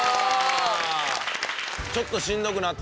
「ちょっとしんどくなった」っつって。